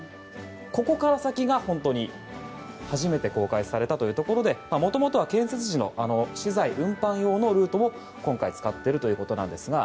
ここから先が、本当に初めて公開されたというところでもともとは建設時の資材運搬用のルートを今回、使っているということですが。